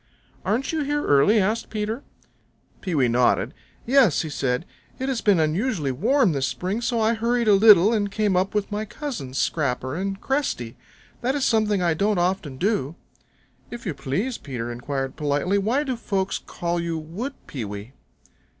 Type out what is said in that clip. "Aren't you here early?" asked Peter. Pewee nodded. "Yes," said he. "It has been unusually warm this spring, so I hurried a little and came up with my cousins, Scrapper and Cresty. That is something I don't often do." "If you please," Peter inquired politely, "why do folks call you Wood Pewee?"